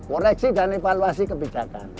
koreksi dan evaluasi kebijakan